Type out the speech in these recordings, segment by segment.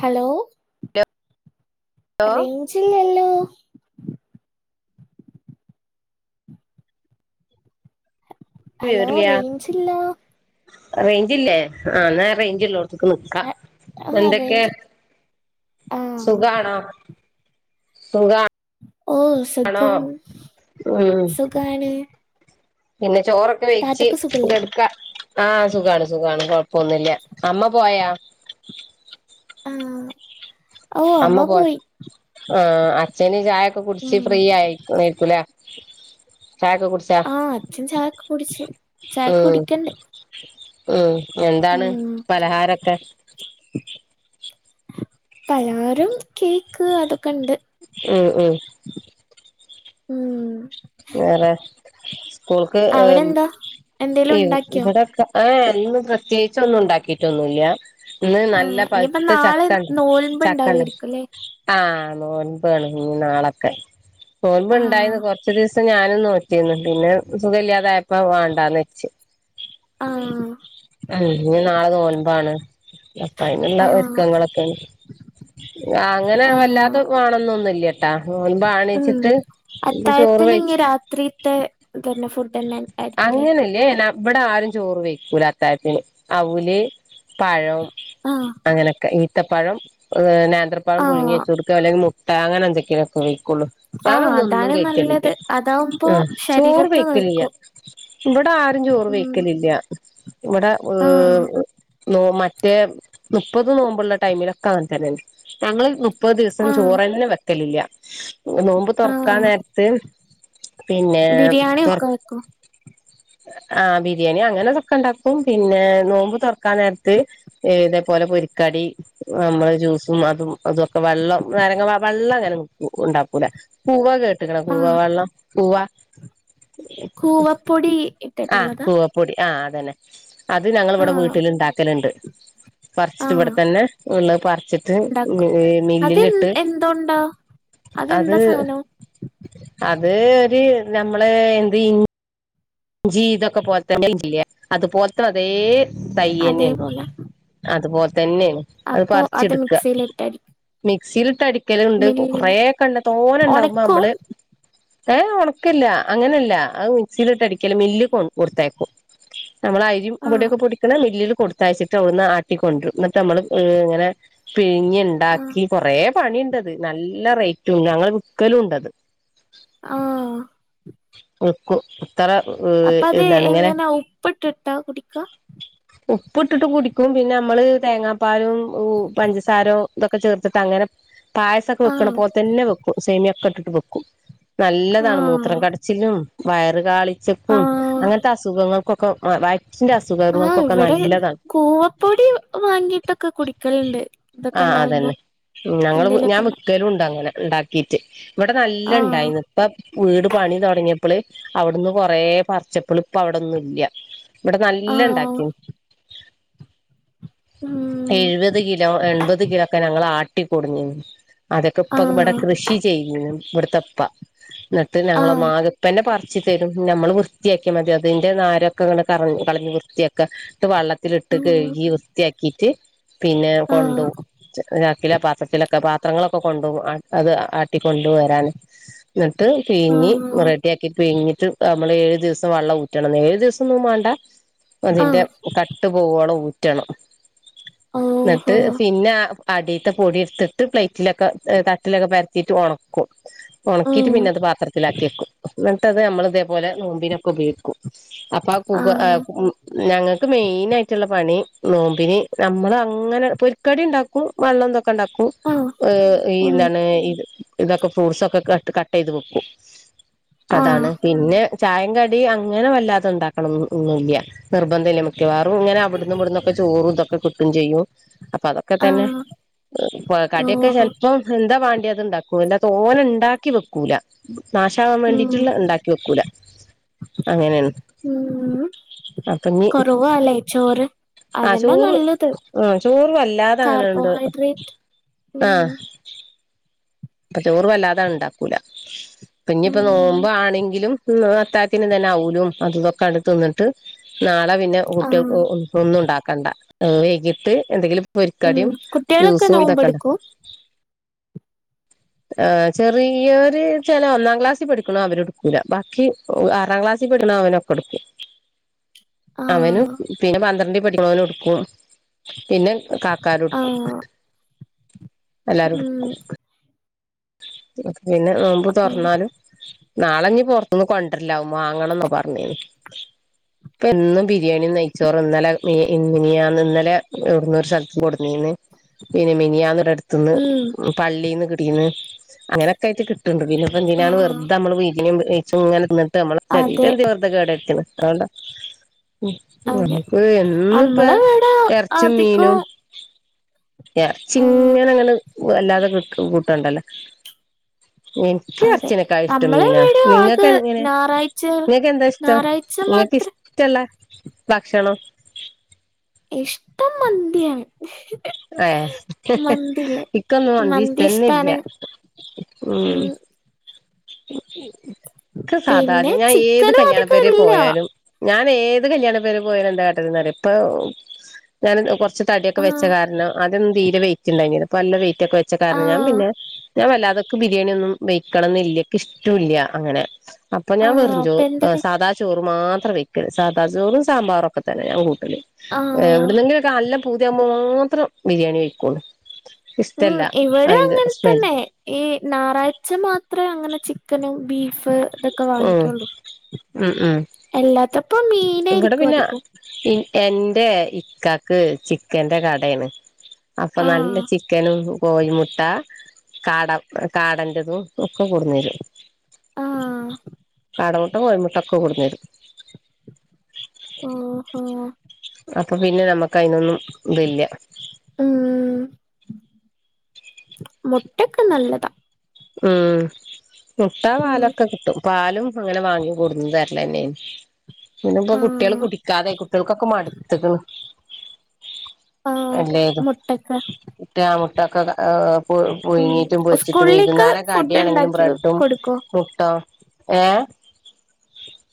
Hello റേഞ്ചില്ലല്ലോ hello വിവരില്ല range ഇല്ല റേഞ്ചില്ലേ ആന്നാ റേഞ്ച്ള്ളോടത്തക്ക് നിക്കാം ആ എന്തൊക്കെ റേഞ്ച് ആ സുഖാണോ സുഖാ ഓ സുഖം ഉം സുഖാണ് പിന്നെ ചോറൊക്കെ വെച്ച് താത്തക്ക് സുഖല്ലേ ഇതെടുക്കാ ആ സുഖാണ് സുഖാണ് പോന്നില്ല അമ്മ പോയാ ആ ഓ അമ്മ പോയി ആ അച്ഛന് ചായൊക്കെ കുടിച്ച് ഉം ഫ്രീ ആയിരിക്കൂല്ലേ ചായക്കോ കുടിച്ചാ ആ അച്ഛൻ ചായക്ക് കുടിച്ച് ചായക്ക് ഉം കുടിക്കണ്ട് ഉം എന്താണ് ഉം പലഹാരൊക്കെ പലഹാരും കേക്ക് അതൊക്കെ ഉണ്ട് മം മം ഉം വേറെ സ്കൂൾക്ക് അവിടെ ഉം എന്താ എന്തേലും ഉണ്ടാക്കിയോ ഇവിടെക്കെ ആ പ്രത്യേകിച്ച് ഒന്നും ഉണ്ടാക്കിയിട്ടൊന്നുല്ല ഇന്ന് ആ നല്ല ഇനിയിപ്പ പഴുത്ത നാളെ ചക്കണ്ട് നോൽമ്പ് ചക്കണ്ട ഉണ്ടാവായിരിക്കും അല്ലേ ആ നോൻപ്ണ് നാളൊക്കെ നോൻപ് ആ ഇണ്ടായന്ന് കൊറ ഇറ്റ ദിവസം ഞാനും നോറ്റിന്ന് പിന്നെ സുഖ ഇല്ലാതായപ്പോ വേണ്ടാന്ന് വെച്ച്ച് ആ ഇ നാളെ നോമ്പാണ് അപ്പ അതിനുള്ള ആ ഒരുക്കങ്ങളൊക്കെയാണ് അങ്ങനെ ആ വല്ലാതെ വേണന്നൊന്നുല്ലട്ടാ ഓൻ വാണിച്ചിട്ട് അന്നെ ഇങ്ങ രാത്രിത്തെ എന്നെ ഫുഡ്ന്നെ ആയിരിക്കൂല്ലേ അങ്ങനെല്ലേ ഇവിടെ ആരും ചോറ് വെക്കൂല അത്തഴത്തിന് അവല് പഴം ആഹ് അങ്ങനൊക്കെ ഈത്തപ്പഴം ആ നേന്ത്രപ്പഴം പുഴുങ്ങി ആഹ് വെച്ചുടുക്ക അല്ലെങ്കിൽ മു അ അങ്ങനെ എന്തൊക്കിലും കഴക്കുള്ളൂ ആഹ് ഞാനൊന്നും ഒന്നും അതാണ് കഴക്കലില്ല നല്ലത് അതാവുമ്പോ ആ ചോറ് ശരീരത്ത് കഴക്കലില്യാ നിൽക്കും ഇവിടെ ആരും ചോറ് ഉം വയ്ക്കലില്ല ഇവിടെ ഏ ആഹ് നോ മറ്റേ മുപ്പത് നോമ്പുള്ള ടൈമിലൊക്കെ അങ്ങനെ തന്നെയാണ് ഞങ്ങള് മു പ്പത് ദിവസം ആഹ് ചോറ്ന്നെ വെക്കലില്ല നോമ്പ് തൊറക്കാൻ ആഹ് നേരത്ത് പിന്നെ ബിരിയാണി പുറ ഒക്കെ വെക്കോ ആ ബിരിയാണി അങ്ങനെതൊക്കെ ണ്ടാക്കും പിന്നെ നോമ്പ് തൊറക്കാനേരത്ത് ഇതേപോലെ പൊരിക്കടി നമ്മൾ ജ്യൂസും അതും അതുവക്കെ വള്ളം നാരങ്ങ വ വള്ളങ്ങനെ ഉണ്ടാക്കും [unintelligible] കൂവ കേട്ട്ക്കണോ കൂവാ ആഹ് വള്ളം കൂവ കൂവപ്പൊടി ആ ഇട്ടിട്ടുള്ളതാ കൂവപ്പൊടി ആ അതന്നെ അത് ഞങ്ങള് ഇവടെ ആഹ് വീട്ടിലിണ്ടാക്കലുണ്ട് ആഹ് പറിച്ചിട്ടിവടെത്തന്നെ ഇള്ളത് പറിച്ചിട്ട് ഇണ്ടാക്കും അത് മില്ലിലിട്ട് എന്തോണ്ടാ അത് അതെന്താ സാനം അത് ഒര് നമ്മളെ എന്ത് ഇൻ ഞ്ചി ഇതൊക്കെ പോൽത്തന്നെ അത് പോൽത്ത അതേ തയ്യെന്നാണ് അതേപോലെ അതുപോൽ തന്നെണ് അത് അപ്പൊ പറിച്ചെടുക്ക മിക്സിയിലിട്ടടിക്കും മി സിൽട്ട് അടിക്കലുണ്ട് മില്ലില് കൊറേക്കെണ്ട് തോനെണ്ടാവുമ്പ ഒണക്കും അമ്മള് ഏ ഒണക്കില്ല അങ്ങനെല്ല അത് മിക്സിലിട്ടടിക്കല് മില്ലി കൊ കൊടുത്തയക്കും നമ്മളരിം ആഹ് പൊടിക്കെപൊടിക്കണ മില്ലില് കൊട് തയ്ച്ചിട്ട് ഓട്ന്ന് ആട്ടിക്കൊണ്ടരും എന്നിട്ടമ്മള് ഇങ്ങനെ ആഹ് പിഴിഞ്ഞിണ്ടാക്കി കൊറേ പണീണ്ടത് നല്ല റേറ്റും ഞങ്ങള് വിക്കലുണ്ടത് ആഹ് വിക്കും ഇത്ര അപ്പ അത് എന്താണ് ഇങ്ങനെ എങ്ങനാ ഉപ്പിട്ടിട്ടാ കുടിക്കാ ഉപ്പിട്ടിട്ട് കുടിക്കും പിന്നെ മ്മള് തേങ്ങാപ്പാലും പഞ്ചസാരോ ഇതൊക്കെ ചേർത്തിട്ട് അങ്ങനെ പായസൊക്കെ ആഹ് വെക്കണപ്പോൽ തന്നെ വെക്കും സേമിയൊക്കെ ഇട്ടിട്ട് വെക്കും. നല്ലതാണ് ആഹ് മൂത്രം കടച്ചിലും വയറ് കാളിച്ചക്കും അങ്ങനത്തെ അസുഖങ്ങൾക്കൊക്കെ വയറ്റിന്റെ ആ അസുഖങ്ങൾക്കൊക്കെ ഇവടെ നല്ലതാണ് കൂവപ്പൊടി വാങ്ങിട്ടൊക്കെ കുടിക്കല്ണ്ട് ആ അതന്നെ ഞങ്ങള് ഞാൻ ഉണ്ടാവും വിക്കലുണ്ട ണ്ടങ്ങനെ ഇണ്ടാക്കിട്ട് ഇവിടെ നല്ല ആഹ് ഇണ്ടായിന്ന് ഇപ്പം വീട് പണി തൊടങ്ങിയപ്പള് അവിടുന്ന് കൊറേ പർച്ചപ്പള് ഇപ്പവിടൊന്നും ഇല്ല. ഇവട ആഹ് നല്ലണ്ടാക്കീന്. ഉം എഴുവത് കിലോ എൺമ്പത് കിലോക്കെ ഞങ്ങളാട്ടിക്കൊടുന്നീന്. അതെക്കെ ഇപ്പവിടെ ആഹ് കൃഷി ചെയ്യുന്നു ഇവിടെത്തപ്പ എന്നിട്ട് ആഹ് ഞങ്ങളൊന്നാകെ പ്പന്നെ പ റിച്ച് തരും നമ്മള് വൃത്തിയാക്കിയ മതി അതിന്റെ നാരൊക്കെങ്ങട് കറ കളഞ്ഞ് വൃത്തിയാക്ക. ട്ട് വള്ളത്തിലിട്ട് ആഹ് കെഴുകി വൃത്തിയാക്കിട്ട് പിന്നെ ആഹ് കൊണ്ടോവും ച്ച രാ. കിലോ പാത്രത്തിലക്കെ പാത്രങ്ങളൊക്കെ കൊണ്ടോവും അത് അ റ്റി കൊണ്ടുവരാനും ന്നട്ട് പിഴിഞ്ഞി ആഹ് റെഡിയാക്കി പിഴിഞ്ഞി ട്ട് നമ്മളേഴു ദിവസം വള്ളം ഊറ്റണം ഏഴു ദിവസൊന്നും മാണ്ട. അതിന്റെ ആഹ് കട്ട് പോവോളം ഊറ്റണം ഓഹോ ന്നിട്ട് പിന്നാ അടിത്തെ പൊടി എടുത്തിട്ട് പ്ലേറ്റിലൊക്കെ തട്ടിലൊക്കെ പരത്തിട്ട് ഒണക്കും. ഒണക്കിട്ട് ഉം പിന്നെ അത് പാത്രത്തിലാക്കിവെക്കും എന്നിട്ടത് നമ്മളിതേപോലെ നോമ്പിനൊക്കെപയോഗിക്കും. അപ്പ കുക ഏ ആഹ് ഉം ഞങ്ങക്ക് മെയിനായിട്ടുള്ള പണി നോമ്പിന് നമ്മളു അങ്ങനെ പൊരിക്കടിണ്ടാക്കും വെള്ളംദൊക്കെ ണ്ടാക്കും ആഹ് ഏ ഈ ഉം ന്താണ് ഇത് ഇതൊക്കെ ഫ്രൂട്ട്സൊക്കെ കട്ട് കട്ടെയ്ത് വെക്കും ആഹ് അതാണ് പിന്നെ ചായേം കടി ടി അങ്ങനെ വല്ലാതണ്ടാക്കണന്ന്ന്നൊന്നുല്ല്യ നിർബന്ധില്ല മിക്കവാറും ഇങ്ങനെ അവിടുന്നും ഇവിടുന്നൊക്കെ ചോറുംതൊക്കെ ക്കെ കൂട്ടും ചെയ്യും. അപ്പ അതൊക്കെ തന്നെ ആഹ് കടിയൊക്കെ ഓഹോ ചെൽപ്പം എന്താ വാ അത്ണ്ടാക്കൂ ല്ലാ തോനെ ഇണ്ടാക്കി വെക്കൂല. നാശാവാൻ വേണ്ടിട്ടുള്ള ഇണ്ടാക്കി വെക്കൂല. അങ്ങനെയാണ് [unintelligible] അപ്പൊ ഇനി കൊറവാലേ ചോറ് ആ അതന്നാ ചോറ് നല്ലത്. ആ ചോറ് വല്ലാതെ അങ്ങനെണ്ട് കർബോഹൈഡ്രറ്റ് ഉം അപ്പ ചോറ് വല്ലാതാണ്ടാക്കൂല. ഉം പിന്നെപ്പ നോമ്പ് ആണെങ്കിലും അത്താത്തിനന്നെല്ലാ ആവൂലോ അതുതൊക്കെടുത്ത് തിന്നിട്ട് നാളെ പിന്നെ ആഹ് കുട്ടികൾക്ക് ഒന്നും ഉണ്ടാക്കണ്ട വൈകിട്ട് എന്തെങ്കിലും ഉം പൊരിക്കടിയും കുട്ടികളൊക്കെ ജ്യൂസും ഇതൊക്കെണ്ട നോമ്പെടുക്കും ആ് ചെറിയരു ചില ഒന്നാം ക്ലാസ്സിൽ പഠിക്കണ അവര്ടുക്കൂല ബാക്കി ആറാം ക്ലാസ് ടണ അവനൊ കൊടുക്കു അവന ആഹ് പിന്നെ പന്ത്രണ്ടി പടിക്ക്പോ അവന ഉടുക്കും പിന്നെ കാക്കാര എടുക്കും ആഹ് എല്ലാരും ഉം എടുക്കും പിന്നെ നോമ്പ് ആഹ് തുറന്നാലും നാളെഞ്ഞഞ് പൊറത്തുന്നന്ന് കൊണ്ടിരില്ലാവമ്മ അങ്ങണന്നോ പറഞ്ഞേന്ന് ഇപ്പ എന്നും ബിരിയാണി നയിച്ചോറ് ഇന്നലെ ഇങ്ങന ഇന്നലെ എവിടുന്നൊരു സ്ഥലത്ത് കൊടുന്നന്ന് പിന്നേ മിനിയാന്നടെ അടുത്ത്ന്ന് ഉം പള്ളീന്ന് കിടീന്ന് അങ്ങനെയൊക്കെയിട്ട് കിട്ടണ്ട് പിന്നെപ്പ എന്തിനാണ് ആഹ് വെറുത നമ്മ വീ ഇങ്ങന നമ്മള ശെീട്ട അതെ എന് വെറുതെ കേട എത്തി അതൊണ്ടാ അതെ നമക്ക് എന്ന ഇപ്പ നമ്മളെവിടെ ഇറച്ചും അധികം മീനും ആഹ് ഇറച്ചിങ്ങന അങ്ങനെ വല്ലാതെ കി കൂട്ടണ്ടല്ലോ എനിക്ക് അതെ ഇറച്ചിനൊക്കാ ഇഷ്ടം മീനാ നമ്മളെവിടെ ആകെ നിങ്ങൾക്ക് ഇങ്ങനെ ഞായറാഴ്ച നിങ്ങക്ക് എന്താ ഇഷ്ടം ഞായറാഴ്ച മാത്രം നിങ്ങക്ക്ഷ്ടല്ല ഭക്ഷണം ഇഷ്ടം മന്തിയാണ് ഏ മന്തില്ലേ ഇക്കൊന്നും മന്തി ഇഷ്ടം തന്ന ഇല്ല ഉം സാധാ പിന്നെ ഞാൻ ഏത് ചിക്കനും കല്യാണ അധികം പേരെ ഇല്ല പോയാലും ഞാൻ ഏത് കല്യാണ പേര് പോയാല എന്ത കേട്ടിരുന്ന ഇപ്പൊ ഞാൻ പച്ച തടിയൊക്കെ വെച്ച ആഹ് കാരണം അതൊ തീരെ വെറ്റ് ഉണ്ടായി അ നല്ല വെ കുറ്റൊക്കെ വെച്ച കാര ഞൻ ആഹ് പിന്നെ ഞാൻ വല്ലാതൊക്കെ ബിരിയാണി ഒന്നും വെക്കണംില്ലേ ഇഷ്ടില്ല അങ്ങനെ അപ്പൊ ഞാൻ ആഹ് പററിഞ്ഞു അപ്പൊ എന്തൊക്കെ സാദാ ചോ മാത്രം വെക്ക സാദാ ചോറും സാമ്പാറും ഒക്കെ തന്നെ ഞ കൂട്ട ആഹ് എവിുന്നെങ്കിലെല്ല പൂതിയാവുമ്പോൾ മാത്രം ബിരിയാണി വഴക്കുള്ളു ഉം ഇവിടെ അങ്ങനെ തന്നെ ഈ ഞായറാഴ്ച മാത്രേ അങ്ങനെ ചിക്കനും ബീഫ് ഇതൊക്കെ ഉം വാങ്ങിക്കുള്ളൂ എല്ലാത്തപ്പ മീൻ ഇങ്ങടെ പിന്നെ എറെ ഇക്കക്ക് ചിക്കന്റെ കടയാണ് അപ്പൊ നല്ല ആഹ് ചിക്കനും കോഴിമുട്ട കാട കാടൻറതും ഒക്കെ കടന്നര് ആഹ് കാടമുട്ടും കോഴമുട്ട ഒക്കെ കൊടുുന്നരും ഓഹ്ഹോ അപ്പോൾ പിന്നെ നമുക്ക് അതിനൊന്നും ഇതില്ല ഉം മുട്ടക്കെ നല്ലതാ ഉം മുട്ട ഉം പാലൊക്കെ കിട്ടും പാലും അങ്ങനെ വാങ്ങി കൂടന്ന് തരലെന്നെയ പിന്നെ ഇപ്പൊ കുട്ടികള് ആഹ് കുടിക്കാതെ കുട്ടികൾക്കൊക്കെ മടുത്തുകള് ആഹ് അല്ലേതു മുട്ടക്ക ഇറ്റേ ആ മുട്ട ഒക്കെ ഏ ഉം പുഴങ്ങിട്ടും പൊരിച്ചിട്ട് സ്കൂളിലേക്ക് വേഗിക്കുംരൊക്കെ ഫുഡ് അടിയണെങ്കിലും ഉണ്ടാക്കി ബ്രെഡും കൊടുക്കോ മുട്ട- ആ ഏ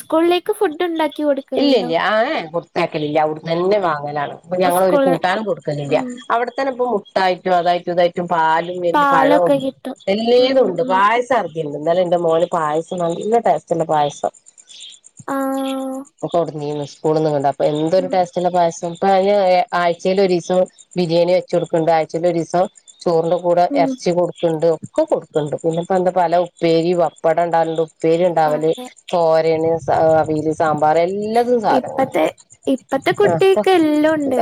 സ്കൂളിലേക്ക് ഫുഡ് ഉണ്ടാക്കി ഇല്ല കൊടുക്കലുണ്ടോ ഇല്ല ആ കൊടുത്താക്കലില്ല അവിടുന്ന് തന്നെ വാങ്ങലാണ് അപ്പൊ ഞങ്ങൊ ഒരു സ്കൂള് കൂട്ടാനും കൊടുക്കുന്നില്ല ഉം അവിടെത്തന്നെ ഇപ്പ മുട്ടായിട്ടും അതായിട്ടും ഇതായിട്ടും പാലും പിന്നെ പഴവും പാലൊക്കെ കിട്ടും ഉം എല്ലാും ഉണ്ട് ഉം പായസം അർധിണ്ട് എന്ന മോന് പായസം നല്ല ടേസ്റ്റ്ല്ല പായസം ആഹ ഒക്കെ ഉടീകൂളന്നണ്ട അപ്പൊ എന്തൊ ഒരു ടസ്റ്റന്റെ പായസം ഇപ്പ അയ്ല് ആഴ്ചയില് ഒരീസം ബിരിയാണി വെച്ചു കൊടുക്കണ്ട് ആഴ്ചയില് ഒരീസം ചോറിന്റെ കൂടെ ഉം ഇറച്ചി കൊടുക്കണ്ട്. ഒക്കെ കൊടുക്കണ്ട്. പിന്നെപ്പെന്താ പല ഉപ്പേരി പപ്പടം ഉണ്ടാണ്ടു പ്പേരി ഇണ്ടാവല് അതെ തോരന് സ അവീല് സാമ്പാറ് എല്ലതും ഇപ്പത്തെ സാധനങ്ങളുണ്ട് ഇപ്പത്തെ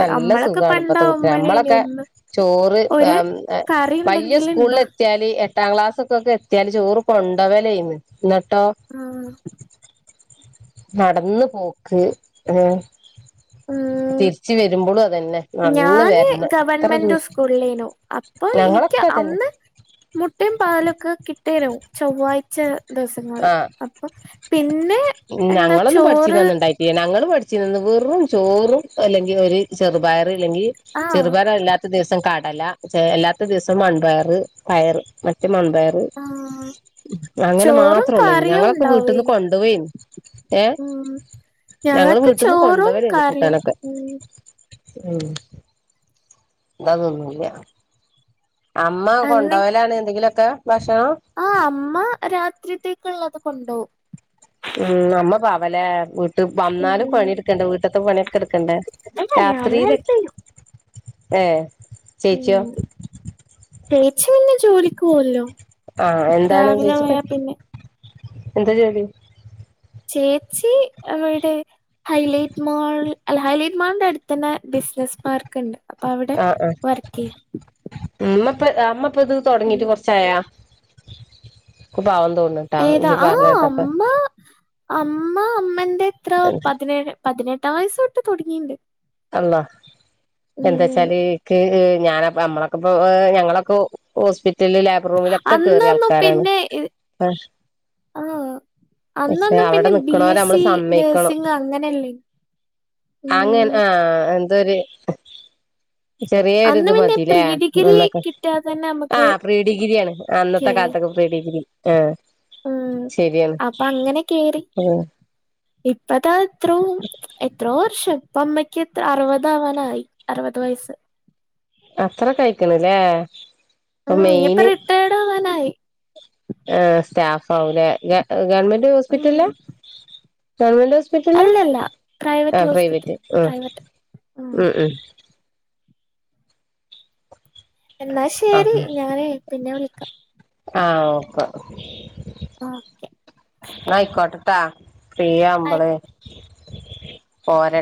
നല്ല സുഖാണ് ഇപ്പ അമ്പഴേന് ഒന്ന് ചോറ് ഒരു കറി വലിയ ഉണ്ടെങ്കിൽ സ്കൂളിൽ ഇണ്ടോ എത്തിയാല് എ ട്ടാം ക്ലാസൊക്കൊക്കെ എത്തിയാല് ചോറ് കൊണ്ടവലായിരുന്ന് എന്നിട്ടോ ആഹ് നടന്ന് പോക്ക് ഉം തിരിച്ച് വരുമ്പോളും അതന്നെ നടന്ന് ഞാന് വരണം. എത്ര ദൂ ഗവൺമെന്റ് സ്കൂളിലേനു അപ്പൊ ഞങ്ങള എനിക്ക് ക്കതന്നെ. അന്ന് മുട്ടയും പാലൊക്കെ കിട്ടേനോ ചൊവ്വാഴ്ച ദിവസങ്ങളില്. ആഹ് അപ്പൊ പിന്നെ എന്താ ഞങ്ങളൊന്നും ചോറ് പഠിച്ചീന്നന്ന് ഉണ്ടായിട്ടില്ല [unintelligible] വെറും ചോറും അല്ലെങ്കി ഒരു ചെറുപയറ് അല്ലെങ്കി ആഹ് ചെറുപയറല്ലാത്ത ദിവസം കട ല അല്ലാത്ത ദിവസം വൻപയറ് പയറ് ഉം മൺപയർ ആഹ് അങ്ങനെ ചോറും മാത്രേ ഉള്ളേർന്നു. കറിയും ഞങ്ങളൊക്കെ വീട്ടിൽന്ന് ഉണ്ടാവേനി കൊണ്ടുപോവേയിരുന്നു. ഏ ഉം ഞങ്ങള് ഞങ്ങക്ക് വീട്ട്ന്ന് ചോറും കൊണ്ടുപോവലായിരുന്നു കറിയും കൂട്ടാനൊക്കെ ഉം ഉം ഇതതൊന്നൂല്ല. അമ്മ കൊണ്ടപോവലാണ് എന്തെങ്കിലൊക്കെ. ആ അമ്മ രാത്രിത്തേക്കുള്ളത് കൊണ്ടോവും. ഉം അമ്മ പാവലേ. വീട്ട് ഉം വന്നാലും പണിയെടുക്കണ്ടേ വീട്ടത്തെ പണി കെടക്കണ്ടേ അല്ല ഞാന് രാത്രിയില് ഹെൽപ് ചെയ്യും ഏ ചേച്ചിയോ ച്ചിന്നെ ജോലിക്ക് പോവല്ലോ ആ എന്താണ് രാവിലെ ചേച്ചിക്ക് പോയാ പിന്നെ എന്താ ജോലി ചേച്ചി അവിടെ ഹൈലൈറ്റ് മാൾ അല്ല ഹൈലൈറ്റ് മാളിന്റെ അടുത്ത് തന്നെ ബി സിനസ് പാർക്ക് ഉണ്ട്. അപ്പ അവിടെ ആഹ് ആഹ് വർക്ക് ചെയ്യാ. ഉമ്മപ്പ അമ്മപ്പ ഇത് തുടങ്ങിയിട്ട് കൊറച്ചായാ. ഇക്ക് പാവം തോന്നുന്നുട്ടാ ഏതാ ഇജ്ജ് ആ പറഞ്ഞ കേട്ടപ്പ അമ്മ അമ്മ അമ്മന്റെ ഇത്ര പതിനേഴ് പതിനെട്ടാം വയസ്സൊട്ട് തുടങ്ങിണ്ട്. അള്ളാ എന്താ ഉം വച്ചാല് ക്ക് ഞാനപ്പെ നമ്മളൊക്കെ ഇ ഞങ്ങളൊക്ക ഹോസ്പി റ്റലിൽ ലേബർറൂമിലൊക്കെ കേറിയ അന്നൊന്നും ആൾക്കാരാണ് പിന്നെ ആ ആ പക്ഷെ അന്നൊന്നും അവിടെ പിന്നെ ബി നിക്കണോരെ എസ് നമ്മള് സി സമ്മതിക്കണം. നഴ്സിംഗ് അങ്ങനെയല്ലേ അങ്ങൻ ഉം ആ എന്തൊരു ചെറിയൊരു അന്ന് ഇത് പിന്നെ പ്രീ മതീല്ലേ ഡിഗ്രി നന്നാക്കാൻ കിട്ടാതെ തന്നെ ആ നമുക്ക് പ്രീ ഡിഗ്രിയാണ് കേ അന്നത്തെ കാലത്തൊക്കെ പ്രീ ഡിഗ്രി ആഹ് ഉം ശരിയാണ് അപ്പൊ അങ്ങനെ കേറി. ഉം ഇപ്പതാ അത്രോം എത്രോം വർഷം ഇപ്പ അമ്മയ്ക്ക് ത അറുപതാവാറായി അറുപത് വയസ്സ്. അത്രക്കഴിക്കണല്ലേ. അപ്പൊ ഉം ഇനിയിപ്പ മെയിന് റിട്ടയേർഡ് ആവാനായി ആ സ്റ്റാഫ് ആവൂലേ ഗ ഗവൺമെന്റ് ഹോസ്പിറ്റലിലാ. ഉം ഗവൺമെന്റ് ഹോസ്പിറ്റലിലാ. അല്ലല്ല ആ ഹോസ്പിറ്റൽ പ്രൈവറ്റ് ഉം പ്രൈവറ്റ് ഉം ഉം എന്നാ ശരി. ഞാനേ പിന്നെ വിളിക്കാം. ആ ഓക്കെ ആ എന്നാ ആയിക്കോട്ടെട്ടാ. ഫ്രീ ആയി ആവുമ്പളേ പോരെ